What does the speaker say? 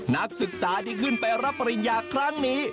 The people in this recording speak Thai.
นักศึกษาที่ขึ้นไปรับปริญญาครั้งนี้